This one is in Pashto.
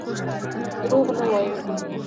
دروغ نه وایم.